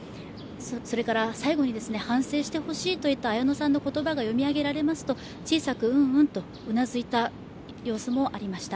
それから、最後に反省してほしいという綾野さんの言葉が読み上げられますと小さく、うんうんとうなずいた様子もありました。